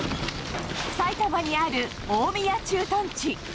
埼玉にある大宮駐屯地。